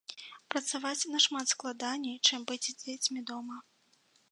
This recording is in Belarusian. Працаваць нашмат складаней, чым быць з дзецьмі дома.